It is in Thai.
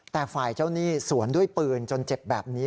แต่ฝ่ายเจ้าหนี้สวนด้วยปืนจนเจ็บแบบนี้